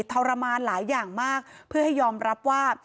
ทรมานหลายอย่างมากเพื่อให้ยอมรับว่า